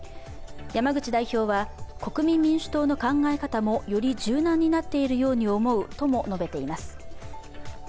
山口代表は、国民民主党の考え方もより柔軟になっているように思うとも述べています。